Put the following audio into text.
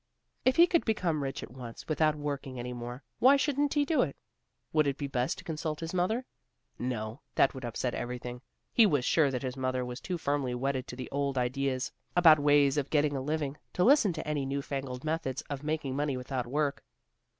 If he could become rich at once, without working any more, why shouldn't he do it? Would it be best to consult his mother? No, that would upset everything. He was sure that his mother was too firmly wedded to the old ideas about ways of getting a living, to listen to any new fangled methods of making money without work.